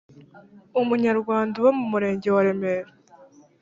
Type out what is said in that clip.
umunyarwanda uba mu Murenge wa Remera